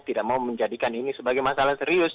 tidak mau menjadikan ini sebagai masalah serius